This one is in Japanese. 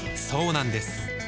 そうなんです